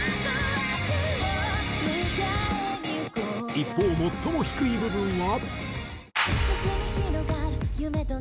一方最も低い部分は。